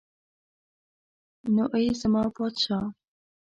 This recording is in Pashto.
نو ای زما پادشاه.